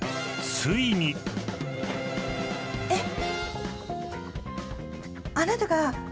えっ！